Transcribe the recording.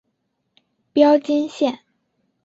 标津线。